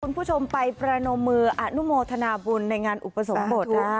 คุณผู้ชมไปประนมมืออนุโมทนาบุญในงานอุปสมบทนะ